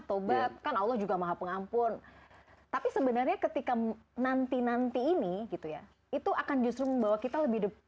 nanti nanti itu akan membawa kita lebih dekat kepada suul khotimah